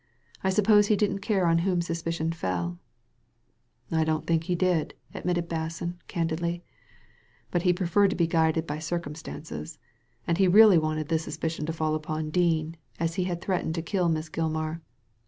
"I suppose he didn't care on whom suspicion fell ?"I don't think he did," admitted Basson, candidly ;*' but he preferred to be guided by circumstances, and he really wanted the suspicion to fall upon Dean, as he had threatened to kill Miss Gilmar.